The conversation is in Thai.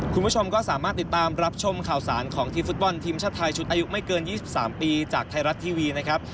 คุณผู้ชมก็สามารถติดตามรับชมข่าวสารของทีมฟุตบอลทีมชาติไทยชุดอายุไม่เกิน๒๓ปีจากไทยรัฐทีวีนะครับ